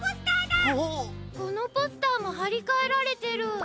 このポスターもはりかえられてる。